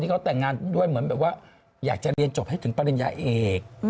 เขาแต่งงานด้วยเหมือนแบบว่าอยากจะเรียนจบให้ถึงปริญญาเอก